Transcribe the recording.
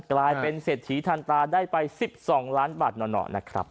กลายเป็นเศรษฐีทันตาได้ไป๑๒ล้านบาทหน่อนะครับ